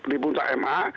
di puncak ma